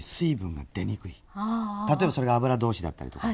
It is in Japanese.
例えばそれが油通しだったりとか。